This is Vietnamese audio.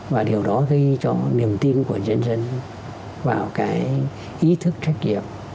và điều đó gây cho niềm tin của nhân dân vào cái ý thức trách nhiệm